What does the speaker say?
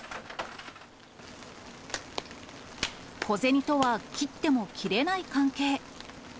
小銭とは切っても切れない関係。